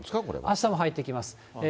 あしたも入ってきます。